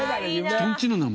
人ん家の名前？